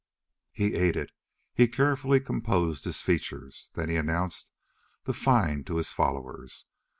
Burl ate it. He carefully composed his features. Then he announced the find to his followers.